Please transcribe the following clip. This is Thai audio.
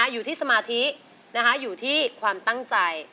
อยู่ที่สมาธิอยู่ที่ความตั้งใจ